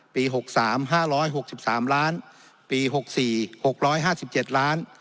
ปีหกสามห้าร้อยหกสิบสามล้านปีหกสี่หกร้อยห้าสิบเจ็ดล้าน